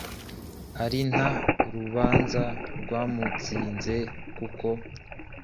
ari nta rubanza rwamutsinze koko?